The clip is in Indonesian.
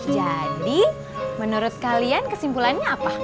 jadi menurut kalian kesimpulannya apa